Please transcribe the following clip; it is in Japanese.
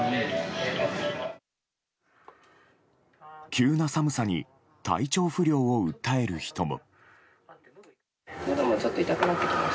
急な寒さに体調不良を訴える人も。